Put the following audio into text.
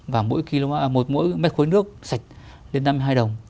và mỗi mét khối nước sạch lên năm mươi hai đồng